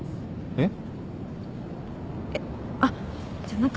えっ？